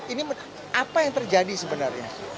ini apa yang terjadi sebenarnya